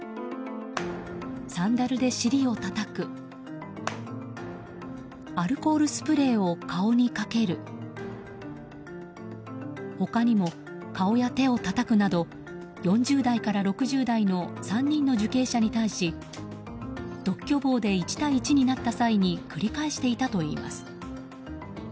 サンダルで尻をたたくアルコールスプレーを顔にかける他にも顔や手をたたくなど４０代から６０代の３人の受刑者に対し独居房で１対１になった際に繰り返していたといいます。